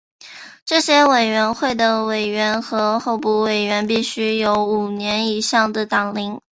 这些委员会的委员和候补委员必须有五年以上的党龄。